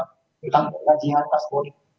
tentang pergajian kasus pembunuhan